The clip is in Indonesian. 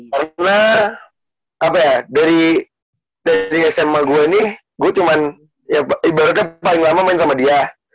karena apa ya dari sma gue ini gue cuman ya ibaratnya paling lama main sama dia